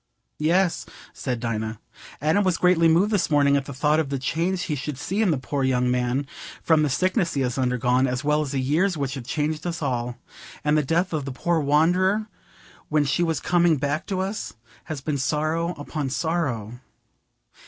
"Yes," said Dinah, "Adam was greatly moved this morning at the thought of the change he should see in the poor young man, from the sickness he has undergone, as well as the years which have changed us all. And the death of the poor wanderer, when she was coming back to us, has been sorrow upon sorrow."